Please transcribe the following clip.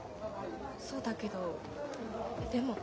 そうだけどでも。